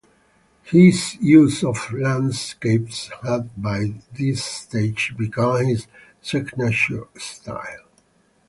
His use of landscapes had by this stage become his signature style.